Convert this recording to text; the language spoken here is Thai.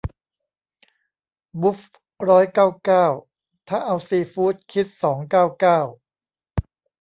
บุฟร้อยเก้าเก้า ถ้าเอาซีฟู้ดคิดสองเก้าเก้า